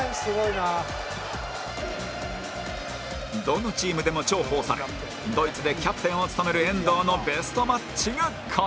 どのチームでも重宝されドイツでキャプテンを務める遠藤のベストマッチがこちら